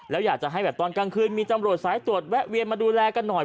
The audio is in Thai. แล้วอยากจะให้แบบตอนกลางคืนมีตำรวจสายตรวจแวะเวียนมาดูแลกันหน่อย